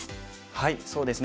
はいそうですね。